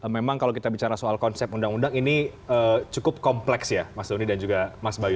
memang kalau kita bicara soal konsep undang undang ini cukup kompleks ya mas doni dan juga mas bayu